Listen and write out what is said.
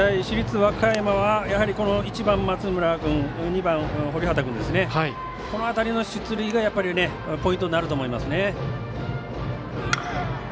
市立和歌山は１番、松村君２番、堀畑君この辺りの出塁がポイントになると思いますね。